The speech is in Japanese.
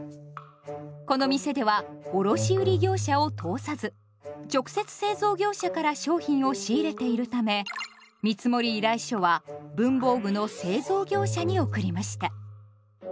この店では卸売業者を通さず直接製造業者から商品を仕入れているため見積依頼書は文房具の製造業者に送りました。